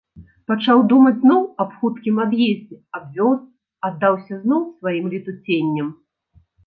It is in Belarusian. Пачаў думаць зноў аб хуткім ад'ездзе, аб вёсцы, аддаўся зноў сваім летуценням.